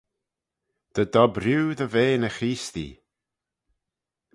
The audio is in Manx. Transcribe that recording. Dy dob rieau dy ve ny Chreestee.